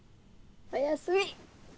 おやすみ。